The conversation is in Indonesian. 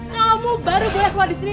kamu baru boleh keluar disini